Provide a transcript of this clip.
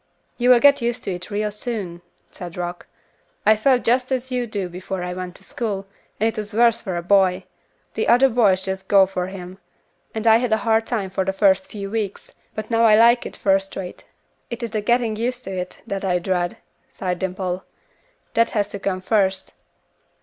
"You will get used to it real soon," said Rock. "I felt just as you do before I went to school, and it is worse for a boy; the other boys just go for him, and I had a hard time for the first few weeks, but now I like it first rate." "It is the getting used to it, that I dread," sighed Dimple; "that has to come first."